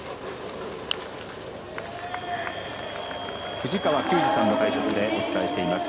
藤川球児さんの解説でお伝えしています。